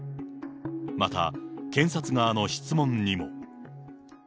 また、検察側の質問にも。